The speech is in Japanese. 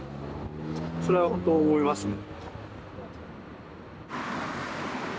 それはほんと思いますね。